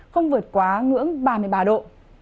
không vượt quá ngưỡng ba mươi ba độ